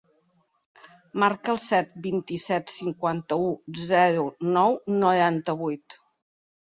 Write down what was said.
Marca el set, vint-i-set, cinquanta-u, zero, nou, noranta-vuit.